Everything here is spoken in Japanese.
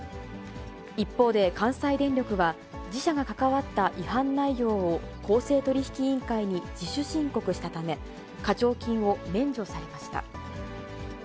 一方で関西電力は、自社が関わった違反内容を公正取引委員会に自主申告したため、課徴金を免除されました。